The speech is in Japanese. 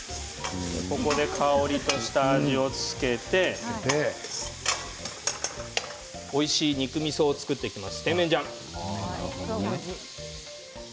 ここで香りと下味を付けておいしい肉みそを作っていきます。